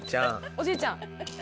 おじいちゃん。